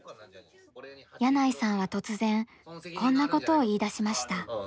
箭内さんは突然こんなことを言いだしました。